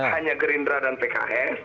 hanya gerindra dan pks